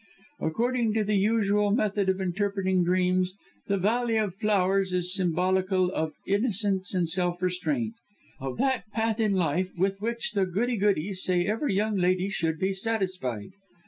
According to the usual method of interpreting dreams, the valley of flowers is symbolical of innocence and self restraint of that path in life with which the goody goodies say every young lady should be satisfied.